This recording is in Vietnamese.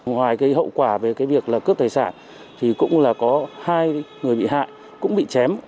ngoài cái hậu quả về cái việc là cướp tài sản thì cũng là có hai người bị hại cũng bị chém